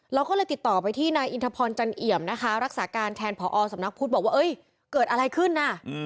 เราก็เลยติดต่อไปที่นายอินทพรจันเอี่ยมนะคะรักษาการแทนผอสำนักพุทธบอกว่าเกิดอะไรขึ้นน่ะ